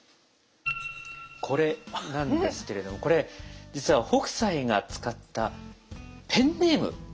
これなんですけれどもこれ実は北斎が使ったペンネーム全部。